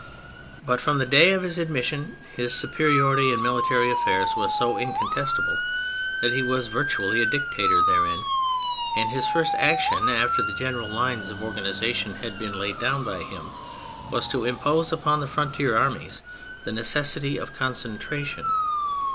But from the day of his admission his superiority in military affairs was so incontestable that he was virtually a dictator therein, and his first action after the general lines of organisation had been laid down by him was to impose upon the frontier armies the necessity of concentration.